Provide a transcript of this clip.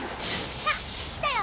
あっ来たよ。